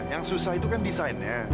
yang susah itu kan desainnya